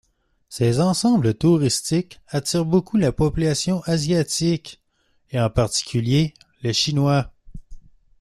Ces ensembles touristiques attirent beaucoup la population asiatique, et en particulier les Chinois.